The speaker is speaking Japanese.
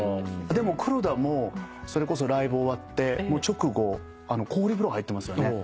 でも黒田もそれこそライブ終わって直後氷風呂入ってますよね。